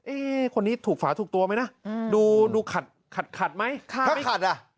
เอ๊คนนี้ถูกฝาถูกตัวไหมน่ะอืมดูดูขัดขัดขัดไหมถ้าขัดอ่ะ